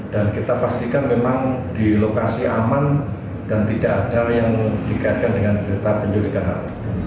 dan kita pastikan memang di lokasi aman dan tidak ada yang dikaitkan dengan beredar penculikan anak